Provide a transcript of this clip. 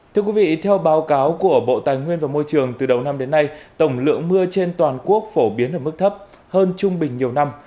thưa quý vị theo báo cáo của bộ tài nguyên và môi trường từ đầu năm đến nay tổng lượng mưa trên toàn quốc phổ biến ở mức thấp hơn trung bình nhiều năm